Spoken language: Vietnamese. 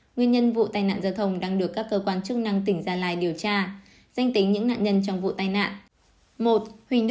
nguyên nhân vụ tai nạn giao thông đang được các cơ quan chức năng tỉnh gia lai điều tra danh tính những nạn nhân trong vụ tai nạn